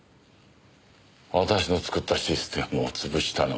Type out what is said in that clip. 私の作ったシステムを潰したのは。